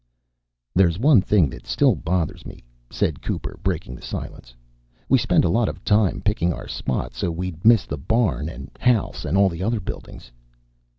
"There's one thing that still bothers me," said Cooper, breaking the silence. "We spent a lot of time picking our spot so we'd miss the barn and house and all the other buildings...."